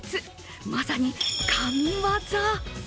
まさに神業。